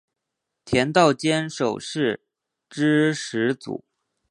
田道间守是之始祖。